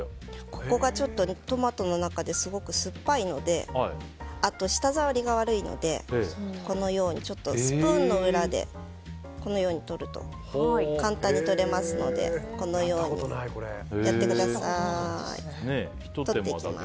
ここがちょっとトマトの中ですごく酸っぱいのであと、舌触りが悪いのでスプーンの裏でこのように取ると簡単に取れますのでこのようにやってください。